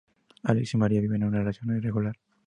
Àlex y María viven una relación irregular.